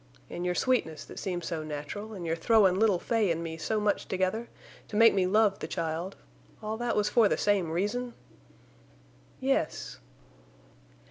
"An' your sweetness that seemed so natural, an' your throwin' little Fay an' me so much together—to make me love the child—all that was for the same reason?" "Yes."